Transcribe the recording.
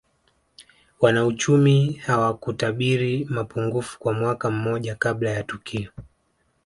Wanauchumi hawakutabiri mapungufu kwa mwaka mmoja kabla ya tukio